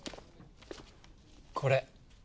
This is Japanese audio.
これ。